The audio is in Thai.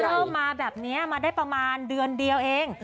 เริ่มมาแบบนี้มาได้ประมาณเดือนเดียวเอง